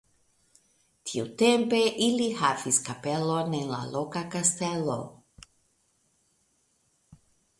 Tiutempe ili havis kapelon en la loka kastelo.